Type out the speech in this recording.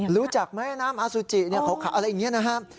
รู้จักไหมน้ำอสุจิอะไรอย่างนี้นะฮะ